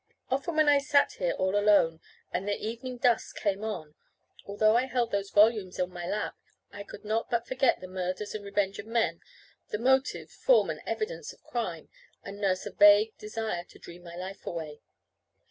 Often when I sat here all alone, and the evening dusk came on, although I held those volumes on my lap, I could not but forget the murders and the revenge of men, the motives, form, and evidence of crime, and nurse a vague desire to dream my life away.